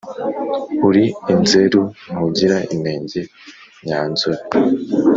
uri inzeru ntugira inenge nyanzobe